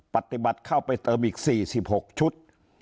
ปฏิบัติเข้าไปเติมอีก๔๖ชุด